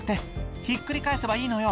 「ひっくり返せばいいのよ